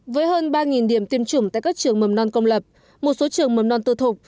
với hơn ba điểm tiêm chủng tại các trường mầm non công lập một số trường mầm non tư thục